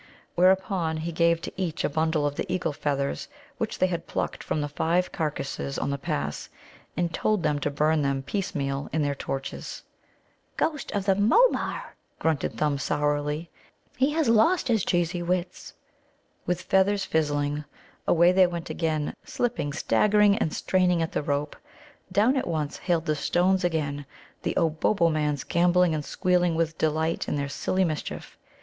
Whereupon he gave to each a bundle of the eagle feathers which they had plucked from the five carcasses on the pass, and told them to burn them piecemeal in their torches. "Ghost of a Môh man!" grunted Thumb sourly; "he has lost his cheesy wits!" With feathers fizzling, away they went again, slipping, staggering, and straining at the rope. Down at once hailed the stones again, the Obobbomans gambolling and squealing with delight in their silly mischief.